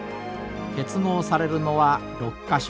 結合されるのは６か所。